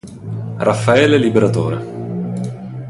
Raffaele Liberatore